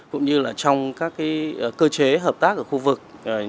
cũng như trong các cơ chế hợp tác của khu vực